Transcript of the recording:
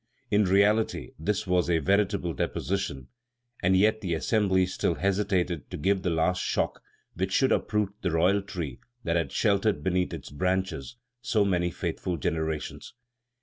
In reality this was a veritable deposition, and yet the Assembly still hesitated to give the last shock which should uproot the royal tree that had sheltered beneath its branches so many faithful generations.